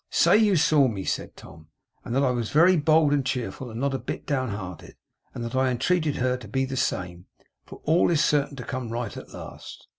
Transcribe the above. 'Say you saw me,' said Tom, 'and that I was very bold and cheerful, and not a bit down hearted; and that I entreated her to be the same, for all is certain to come right at last.